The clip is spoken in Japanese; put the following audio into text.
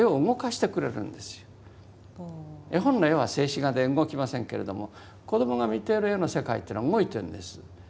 絵本の絵は静止画で動きませんけれども子どもが見ている絵の世界っていうのは動いてるんです。